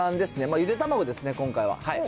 ゆで卵ですね、今回は。